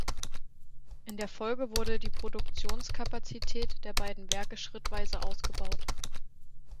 In der Folge wurde die Produktionskapazität der beiden Werke schrittweise ausgebaut.